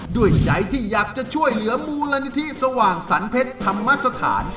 ด้วยใจที่อยากจะช่วยเหลือมูลนิธิสว่างสรรเพชรธรรมสถาน